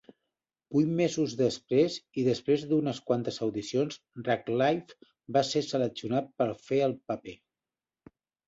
Vuit mesos després, i després d'unes quantes audicions, Radcliffe va ser seleccionat per fer el paper.